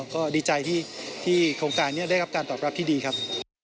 ก็ดีใจที่โครงการนี้ได้รับการตอบรับที่ดีครับ